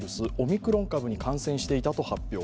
クロン株に感染していたと発表。